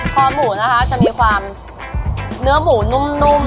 คอหมูนะคะจะมีความเนื้อหมูนุ่ม